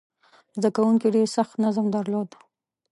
زده کوونکي ډېر سخت نظم درلود.